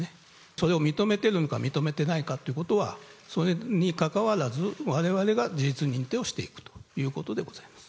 それを認めているのか、認めてないかということは、それにかかわらず、われわれが事実認定をしていくということでございます。